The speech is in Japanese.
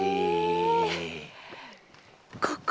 ここ？